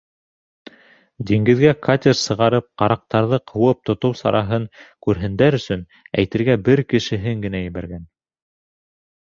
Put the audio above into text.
Диңгеҙгә катер сығарып, ҡараҡтарҙы ҡыуып тотоу сараһын күрһендәр өсөн әйтергә бер кешеһен генә ебәргән.